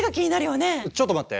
ちょっと待って。